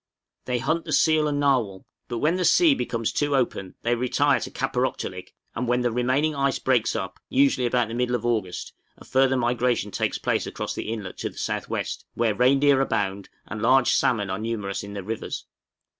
They hunt the seal and narwhal, but when the sea becomes too open they retire to Kaparōktolik; and when the remaining ice breaks up usually about the middle of August a further migration takes place across the inlet to the S.W., where reindeer abound, and large salmon are numerous in the rivers.